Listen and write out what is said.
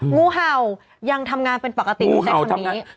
งูเห่ายังทำงานเป็นปกติอยู่ในแสดงนี้